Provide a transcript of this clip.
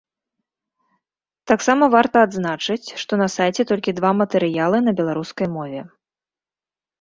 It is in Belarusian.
Таксама варта адзначыць, што на сайце толькі два матэрыялы на беларускай мове.